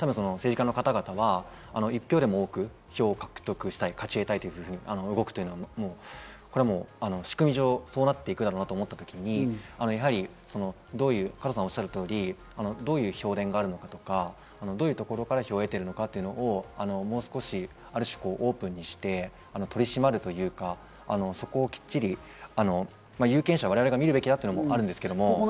今の民主主義における選挙のシステムが変わらない限り、政治家の方々は１票でも多く票を獲得したい、勝ち得たいというふうに動くと、仕組み上、そうなっていくだろうなと思った時に加藤さん、おっしゃる通り、どういう票田があるのかとか、どういうところから票を得ているのかということをもう少し、ある種オープンにして取り締まるというか、そこをきっちり有権者、我々が見るべきだというのもあるんですけど。